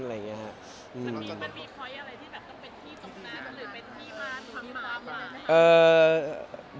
มันมีเพราะอะไรที่ต้องเป็นที่ตรงนั้นหรือเป็นที่มาทั้งมาก